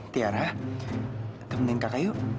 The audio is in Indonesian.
tiara temenin kakak yuk